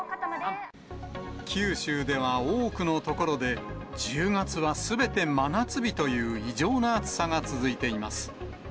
九州では多くの所で１０月はすべて真夏日という異常な暑さが続いています。